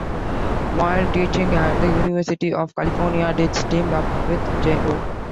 While teaching at the University of California, Deetz teamed up with J. O.